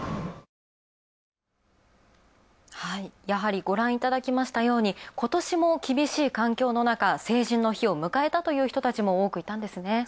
やはりご覧いただきましたように今年も厳しい環境のなか、成人の日を迎えたという人たちも多くいたんですね。